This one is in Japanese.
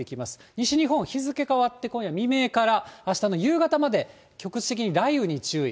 西日本、日付変わって今夜未明からあしたの夕方まで、局地的に雷雨に注意。